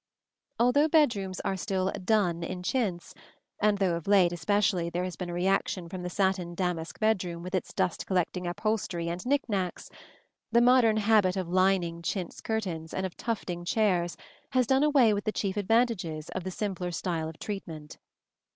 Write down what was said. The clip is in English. Although bedrooms are still "done" in chintz, and though of late especially there has been a reaction from the satin damask bedroom with its dust collecting upholstery and knick knacks, the modern habit of lining chintz curtains and of tufting chairs has done away with the chief advantages of the simpler style of treatment.